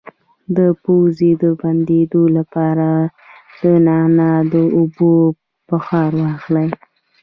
د پوزې د بندیدو لپاره د نعناع او اوبو بخار واخلئ